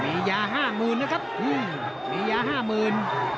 มียาห้าหมื่นนะครับมียาห้าหมื่น